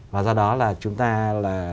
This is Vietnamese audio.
và do đó là chúng ta là